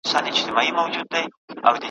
نن به د ایپي د مور چل هېره مرمۍ څه وايي ,